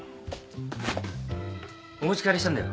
お持ち帰りしたんだよ。